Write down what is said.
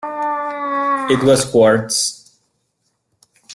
It was quartz.